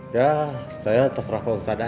ya saya terserah pak otad